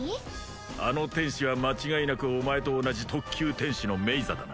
あの天使は間違いなくお前と同じ特級天使のメイザだな？